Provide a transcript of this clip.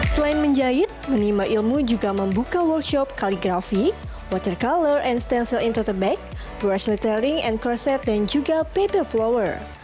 selain menjahit menimba ilmu juga membuka workshop kaligrafi watercolor and stencil into the bag brush lettering and corset dan juga paper flower